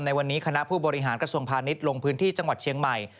ในวันนี้คณะผู้บริหารกระทรวงพาณิชย์ลงพื้นที่จังหวัดเชียงใหม่